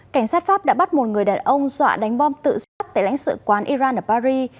cảnh sát pháp đã bắt một người đàn ông dọa đánh bom tự sát tại lãnh sự quán iran ở paris